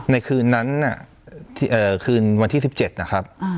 ในคืนนั้นคืนวันที่๑๗นะครับ